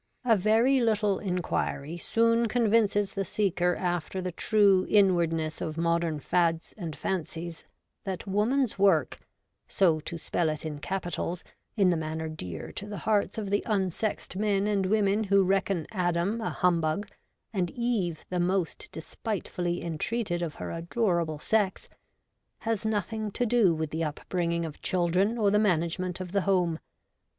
A very little inquiry soon convinces the seeker after the true inwardness of modern fads and fancies that Woman's Work — so to spell it in capitals, in the manner dear to the hearts of the unsexed men and women who reckon Adam a humbug and Eve the most despitefully entreated of her adorable sex — ^has nothing to do with the up bringing of children or the management of the home.